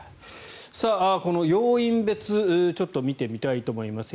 この要因別ちょっと見てみたいと思います。